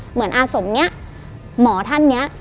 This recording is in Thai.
เหมือนอาสมนี้หมอท่านนี้